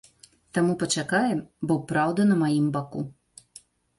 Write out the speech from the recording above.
Таму пачакаем, бо праўда на маім баку.